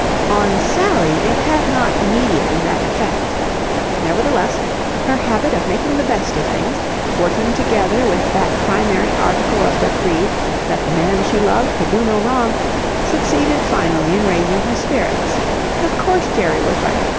On Sally it had not immediately that effect. Nevertheless, her habit of making the best of things, working together with that primary article of her creed that the man she loved could do no wrong, succeeded finally in raising her spirits. Of course Jerry was right.